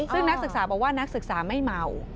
ซึ่งนักศึกษาบอกว่านักศึกษาไม่เมา